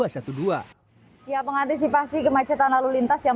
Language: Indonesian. ya pengantisipasi kemacetan lalu lintas yang memungkinkan